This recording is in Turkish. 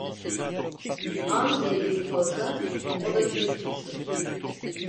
An beni bir kozla, o da çürük çıksın.